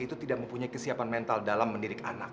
itu tidak mempunyai kesiapan mental dalam mendidik anak